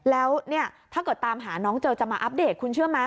แล้วเนี่ยถ้าเกิดตามหาน้องเจอจะมาอัปเดตคุณเชื่อไหม